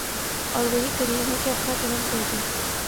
او ر وہی کریم ہے کہ اپنا کرم کردے ۔